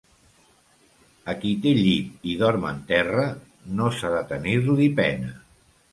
A qui té llit i dorm en terra, no s'ha de tenir-li pena.